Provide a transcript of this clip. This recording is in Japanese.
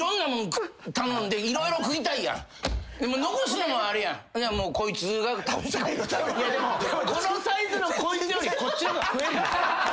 でもこのサイズのこいつよりこっちの方が食える。